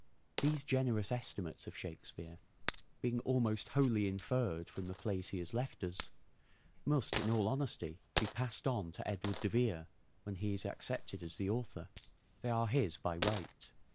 These generous estimates of " Shakespeare," being almost wholly inferred from the plays he has left us, must in all honesty be passed on to Edward de Vere when he is accepted as the author. They are his by right.